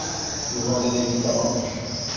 Vous vendez des médicaments ?